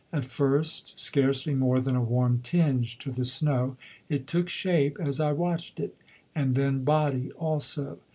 At first scarcely more than a warm tinge to the snow, it took shape as I watched it, and then body also.